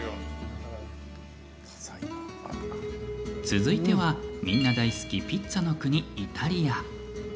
続いては、みんな大好きピッツァの国・イタリア。